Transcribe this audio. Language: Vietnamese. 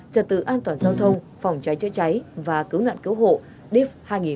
trật tự an toàn giao thông phòng trái chết cháy và cứu nạn cứu hộ div hai nghìn hai mươi ba